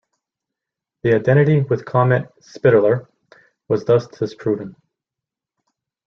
The identity with comet "Spitaler" was thus disproven.